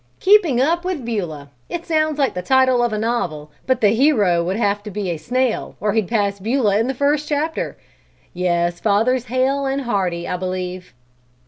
"Keeping up with Beulah! It sounds like the title of a novel, but the hero would have to be a snail or he'd pass Beulah in the first chapter! Yes, father's hale and hearty, I believe."